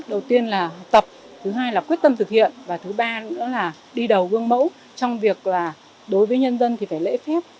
đầu tiên là tập thứ hai là quyết tâm thực hiện và thứ ba nữa là đi đầu gương mẫu trong việc là đối với nhân dân thì phải lễ phép